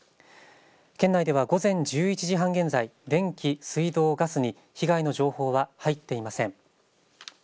県内では午前１１時半現在電気、水道、ガスに被害の情報は入っていません。